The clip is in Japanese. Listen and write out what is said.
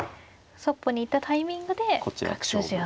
そっぽに行ったタイミングで角筋をと。